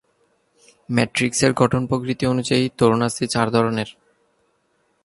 ম্যাট্রিক্সের গঠন-প্রকৃতি অনুযায়ী তরুণাস্থি চার ধরনের।